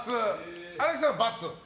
荒木さんは×と。